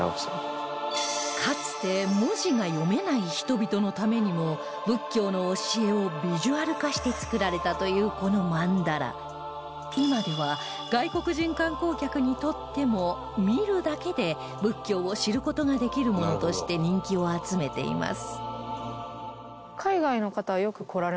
かつて文字が読めない人々のためにも仏教の教えをビジュアル化して作られたというこの曼荼羅今では外国人観光客にとっても見るだけで仏教を知る事ができるものとして人気を集めています